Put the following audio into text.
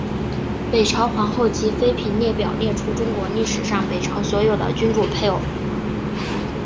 北朝皇后及妃嫔列表列出中国历史上北朝所有的君主配偶。